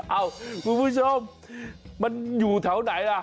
เอ้าคุณผู้ชมมันอยู่แถวไหนล่ะ